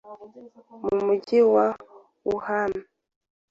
mu mujyi wa Wuhan